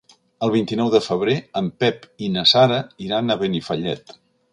El vint-i-nou de febrer en Pep i na Sara iran a Benifallet.